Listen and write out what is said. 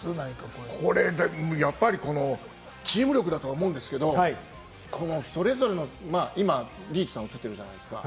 これ、チーム力だと思うんですけど、このそれぞれの今、リーチさんうつってるじゃないですか。